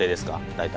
大体